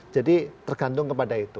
jadi tergantung kepada itu